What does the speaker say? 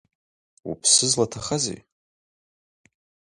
Уԥсы злаҭахазеи?